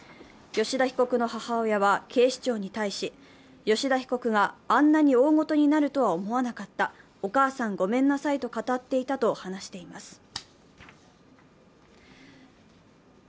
吉田被告の母親は警視庁に対し吉田被告があんなに大ごとになるとは思わなかった、お母さんごめんなさいと語っていたと話しています。